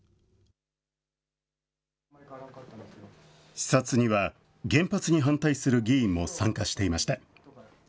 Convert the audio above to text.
視察には、原発に反対する議員も参加していました。